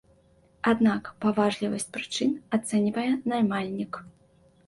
Аднак паважлівасць прычын ацэньвае наймальнік.